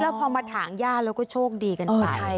แล้วพอมาถามหญ้าเราก็โชคดีกันไป